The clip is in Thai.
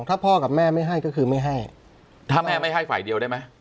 ถ้าพ่อกับแม่ไม่ให้ก็คือไม่ให้ถ้าแม่ไม่ให้ฝ่ายเดียวได้ไหม